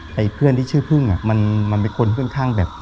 แต่เพื่อนที่ชื่อพึ่งมันเป็นคนค่อนข้างแบบ